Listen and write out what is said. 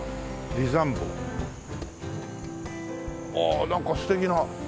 ああなんか素敵な。